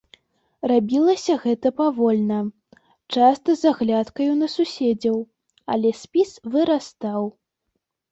Рабілася гэта павольна, часта з аглядкаю на суседзяў, але спіс вырастаў.